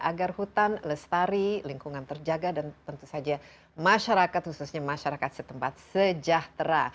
agar hutan lestari lingkungan terjaga dan tentu saja masyarakat khususnya masyarakat setempat sejahtera